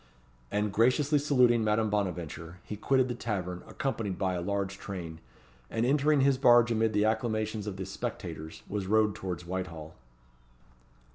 And graciously saluting Madame Bonaventure, he quitted the tavern accompanied by a large train, and entering his barge amid the acclamations of the spectators, was rowed towards Whitehall.